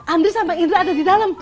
andri sama indra ada di dalam